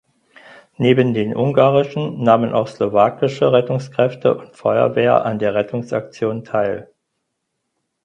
Neben den ungarischen nahmen auch slowakische Rettungskräfte und Feuerwehr an der Rettungsaktion teil.